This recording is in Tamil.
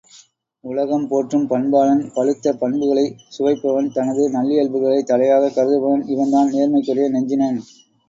உலகம் போற்றும் பண்பாளன் பழுத்த பண்புகளைச் சுவைப்பவன் தனது நல்லியல்புகளைத் தலையாகக் கருதுபவன் இவன்தான் நேர்மைக்குரிய நெஞ்சினன்.